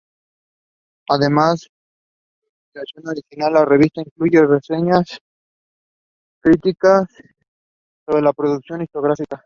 Además de investigación original, la revista incluye reseñas críticas sobre la producción historiográfica.